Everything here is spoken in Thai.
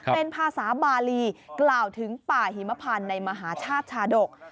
เป็นภาษาบาลีกล่าวถึงป่าหิมพันธ์ในมหาชาติชาดก